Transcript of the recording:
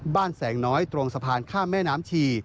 แสงน้อยตรงสะพานข้ามแม่น้ำชี